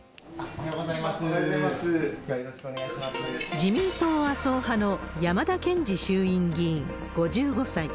自民党麻生派の山田賢司衆院議員５５歳。